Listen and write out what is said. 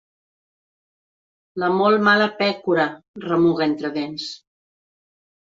La molt mala pècora, remuga entre dents.